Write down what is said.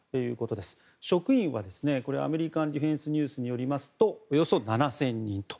職員は、アメリカン・ディフェンス・ニュースによりますとおよそ７０００人と。